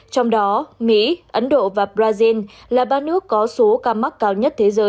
trong đó mỹ ấn độ và brazil là ba nước có số ca mắc cao nhất